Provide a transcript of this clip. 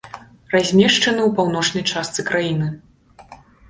Размешчаны ў паўночнай частцы краіны.